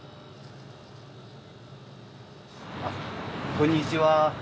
こんにちは。